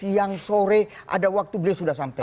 hari ini bencana alam siang sore ada waktu beliau sudah sampai